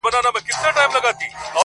o وزير که منډ که، خپله کونه به بربنډ که.